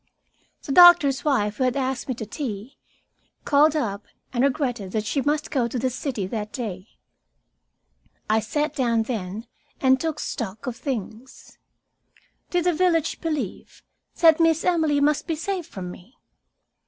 The doctor's wife, who had asked me to tea, called up and regretted that she must go to the city that day. I sat down then and took stock of things. Did the village believe that Miss Emily must be saved from me?